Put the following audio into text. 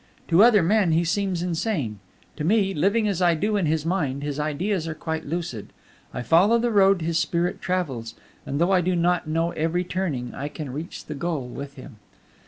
To other men he seems insane; to me, living as I do in his mind, his ideas are quite lucid. I follow the road his spirit travels; and though I do not know every turning, I can reach the goal with him.